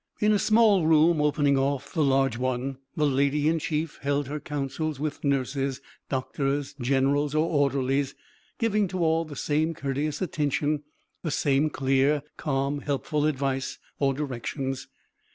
In a small room opening off the large one the Lady in Chief held her councils with nurses, doctors, generals or orderlies; giving to all the same courteous attention, the same clear, calm, helpful advice or directions.